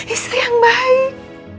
istri yang baik